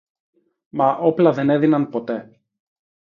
Μα όπλα δεν έδιναν ποτέ